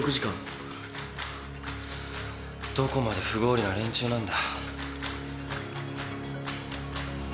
どこまで不合理な連中なんだ。